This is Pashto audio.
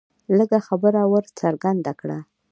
لږ خبره ور څرګنده کړه